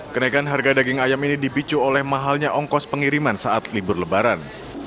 kenaikan harga daging ayam ini dipicu oleh mahalnya ongkos pengiriman saat libur lebaran